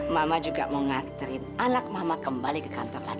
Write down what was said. mama juga mau nganterin anak mama kembali ke kantor lagi